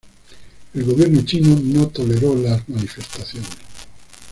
El gobierno chino no toleró las manifestaciones.